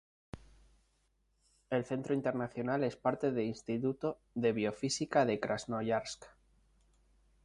El Centro Internacional es parte de Instituto de Biofísica de Krasnoyarsk.